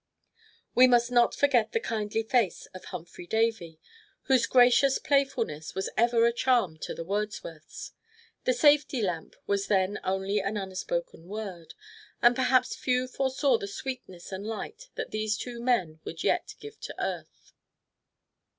We must not forget the kindly face of Humphry Davy, whose gracious playfulness was ever a charm to the Wordsworths. The safety lamp was then only an unspoken word, and perhaps few foresaw the sweetness and light that these two men would yet give to earth.